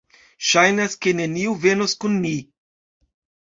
Ŝajnas, ke neniu venos kun ni